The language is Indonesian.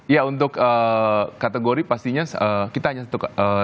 ya untuk kategori pastinya kita hanya satu